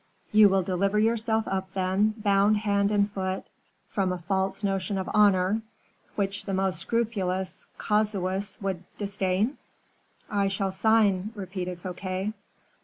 "You will deliver yourself up, then, bound hand and foot, from a false notion of honor, which the most scrupulous casuists would disdain?" "I shall sign," repeated Fouquet.